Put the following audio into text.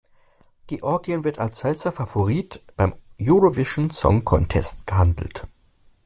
Georgien wird als heißer Favorit beim Eurovision Song Contest gehandelt.